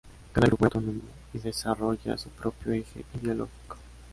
Cada grupo era autónomo y desarrolla su propio eje ideológico.